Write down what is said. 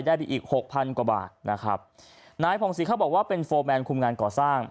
ได้ไปอีกหกพันกว่าบาทนะครับนายผ่องศรีเขาบอกว่าเป็นโฟร์แมนคุมงานก่อสร้าง